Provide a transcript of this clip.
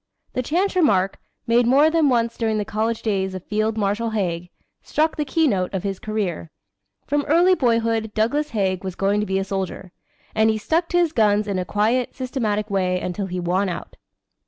The chance remark, made more than once during the college days of Field Marshal Haig, struck the keynote of his career. From early boyhood Douglas Haig was going to be a soldier; and he stuck to his guns in a quiet, systematic way until he won out.